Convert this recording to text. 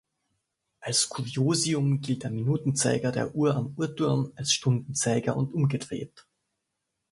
Als Kuriosum gilt der Minutenzeiger der Uhr am Uhrturm als Stundenzeiger und umgedreht.